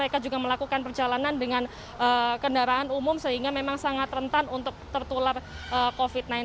mereka juga melakukan perjalanan dengan kendaraan umum sehingga memang sangat rentan untuk tertular covid sembilan belas